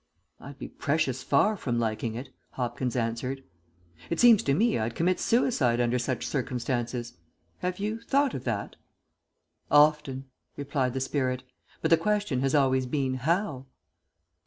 "I'd be precious far from liking it," Hopkins answered. "It seems to me I'd commit suicide under such circumstances. Have you thought of that?" "Often," replied the spirit; "but the question has always been, how?"